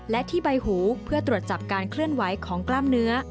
และที่ใบหูเพื่อตรวจจับการเคลื่อนไหวของกล้ามเนื้อ